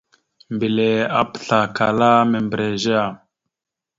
Mbelle apəslakala membreze.